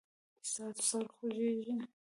ستاسو سر خوږیږي؟